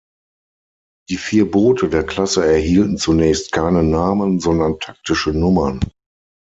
Die vier Boote der Klasse erhielten zunächst keine Namen, sondern taktische Nummern.